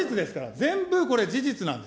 全部これ事実なんです。